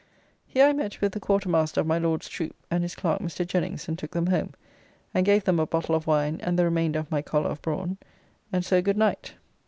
Here I met with the Quarter Master of my Lord's troop, and his clerk Mr. Jenings, and took them home, and gave them a bottle of wine, and the remainder of my collar of brawn; and so good night.